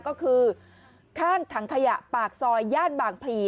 ก็คือข้างถังขยะปากซอยย่านบางพลี